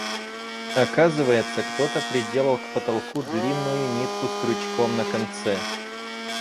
Оказывается, кто-то приделал к потолку длинную нитку с крючком на конце.